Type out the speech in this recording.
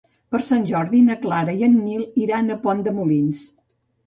Per Sant Jordi na Clara i en Nil iran a Pont de Molins.